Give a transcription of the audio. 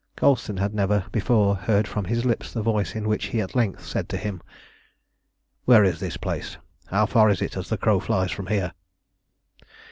Colston had never before heard from his lips the voice in which he at length said to him "Where is this place? How far is it as the crow flies from here?"